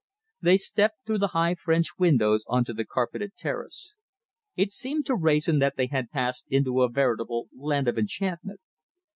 They stepped through the high French windows on to the carpeted terrace. It seemed to Wrayson that they had passed into a veritable land of enchantment.